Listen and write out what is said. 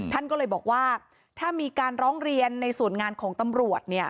ท่านก็เลยบอกว่าถ้ามีการร้องเรียนในส่วนงานของตำรวจเนี่ย